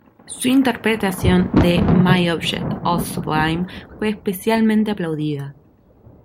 Su interpretación de ‘’My Object All Sublime’’ fue especialmente aplaudida.